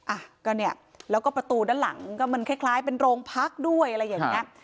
อ่ะก็เนี่ยแล้วก็ประตูด้านหลังก็มันคล้ายเป็นโรงพักด้วยอะไรอย่างเงี้ย